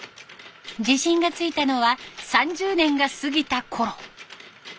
自信がついたのは３０年が過ぎたころ。